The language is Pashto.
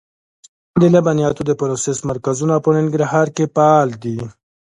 د لبنیاتو د پروسس مرکزونه په ننګرهار کې فعال دي.